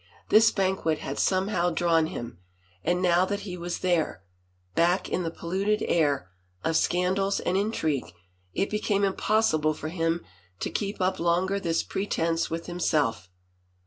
This banquet had somehow drawn him. And now that he was there, back in the polluted air of scandals and intrigue, it became impossible for him to keep up longer this pretense with himself.